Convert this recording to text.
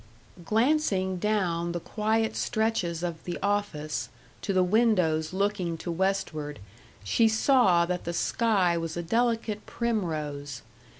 Glancing down the quiet stretches of the office, to the windows looking to westward, she saw that the sky was a delicate primrose.